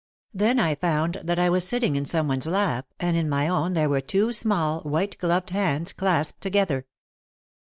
Then I found that I was sitting in some one's lap and in my own there were two small, white gloved hands clasped together.